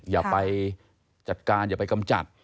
อย่าไปจัดการอย่าไปกำจัด